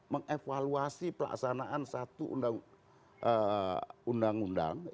mengevaluasi pelaksanaan satu undang undang